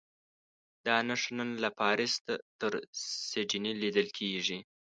دا نښه نن له پاریس تر سیډني لیدل کېږي.